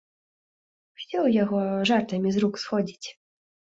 Усё ў яго жартамі з рук сходзіць.